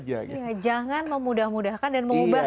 jangan memudah mudahkan dan mengubah